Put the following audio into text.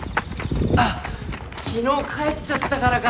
あっ昨日帰っちゃったからか。